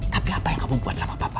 tapi apa yang kamu buat sama bapak